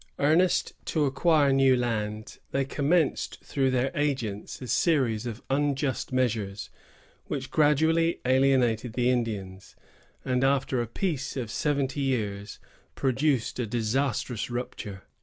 Earnest to acquire new lands, they commenced through their agents a series of unjust measures, which gradually alienated the Indians, and, after a peace of seventy years, produced a disastrous rupture.